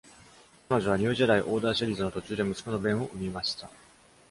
彼女は、「ニュージェダイオーダーシリーズ」の途中で息子のベンを生みました。